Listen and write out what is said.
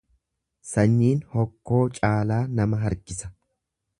Sanyiin hokkoo caalaa nama harkisa.